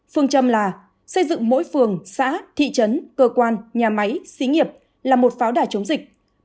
phương châm là xây dựng mỗi phường xã thị trấn cơ quan nhà máy xí nghiệp là một pháo đài chống dịch